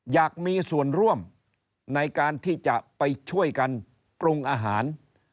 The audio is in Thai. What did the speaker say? อยากมีส่วนร่วมในการที่จะไปช่วยกันปรุงอาหาร